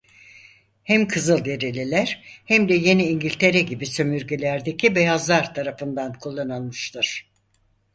Hem Kızılderililer hem de Yeni İngiltere gibi sömürgelerdeki Beyazlar tarafından kullanılmıştır.